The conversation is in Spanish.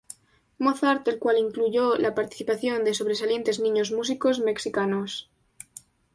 Mozart, el cual incluyó la participación de sobresalientes niños músicos mexicanos.